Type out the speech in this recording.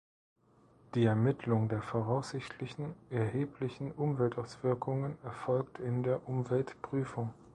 Die Ermittlung der voraussichtlichen erheblichen Umweltauswirkungen erfolgt in der Umweltprüfung.